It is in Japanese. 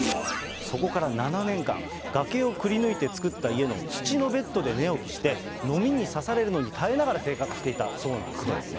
で、じゃあ、その農村の生活はどそこから７年間、崖をくりぬいて作った家の土のベッドで寝起きして、ノミに刺されるのに耐えながら生活していたそうなんですね。